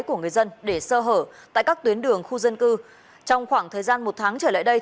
của người dân để sơ hở tại các tuyến đường khu dân cư trong khoảng thời gian một tháng trở lại đây